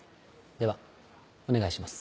ではお願いします。